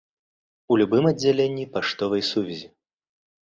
У любым аддзяленні паштовай сувязі.